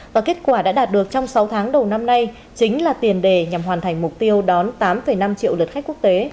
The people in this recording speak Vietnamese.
và kết quả đã đạt được trong sáu tháng đầu năm nay chính là tiền đề nhằm hoàn thành mục tiêu đón tám năm triệu lượt khách quốc tế